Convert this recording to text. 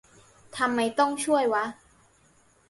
ทำไมต้องช่วยวะ